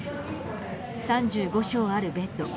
３５床あるベッド。